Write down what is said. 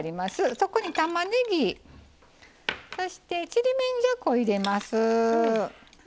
そこに、たまねぎそして、ちりめんじゃこ入れます。